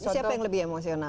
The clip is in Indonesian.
siapa yang lebih emosional